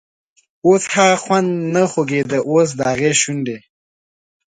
اوس هغه نه خوږیده، اوس دهغې شونډې،